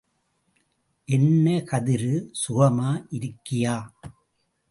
என்ன கதிரு.. சுகமா இருக்கியா?